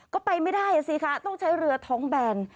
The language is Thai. ก็ไปไม่ได้สิคะต้องใช้เรือท้องแบน